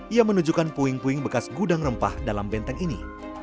ia menunjukkan puing puing bekas gudang rempah dalam benteng ini